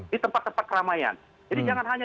di tempat tempat keramaian jadi jangan hanya